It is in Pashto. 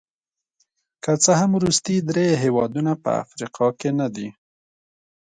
که څه هم وروستي درې هېوادونه په افریقا کې نه دي.